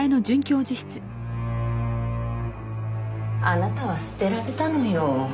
あなたは捨てられたのよ。